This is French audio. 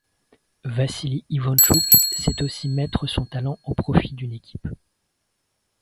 Vassili Ivantchouk sait aussi mettre son talent au profit d’une équipe.